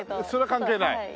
それは関係ない？